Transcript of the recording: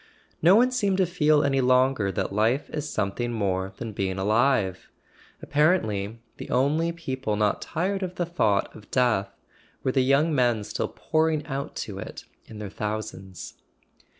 No one seemed to feel any longer that life is something more than being alive; apparently the only people not tired of the thought of death were the young men still pouring out to it in their thou¬ sands.